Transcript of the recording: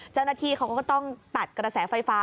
เจ้าหน้าที่เขาก็ต้องตัดกระแสไฟฟ้า